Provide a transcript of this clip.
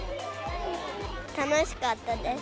楽しかったです。